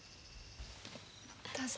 どうぞ。